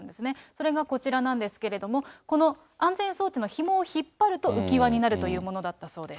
それがこちらなんですけども、この安全装置のひもを引っ張ると浮き輪になるというものだったそうです。